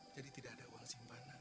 jadi tidak ada uang simpanan